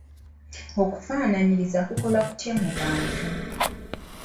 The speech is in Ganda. Okufaanaanyiriza kukola kutya mu buntu?